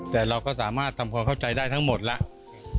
แต่เราก็สามารถทำความเข้าใจได้ทั้งหมดแล้ว